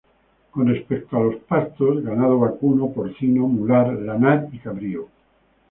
Con respecto a los pastos; ganado vacuno, porcino, mular, lanar y cabrío.